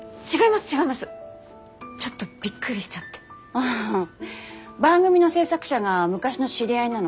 ああ番組の制作者が昔の知り合いなの。